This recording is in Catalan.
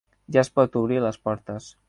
Ja es pot obrir les portes.